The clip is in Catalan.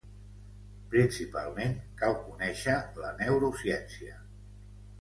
Principalment, cal conèixer la Neurociència.